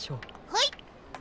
はい。